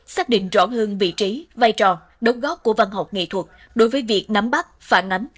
xác định rõ hơn vị trí vai trò đồng góp của văn học nghệ thuật đối với việc nắm bắt phản ánh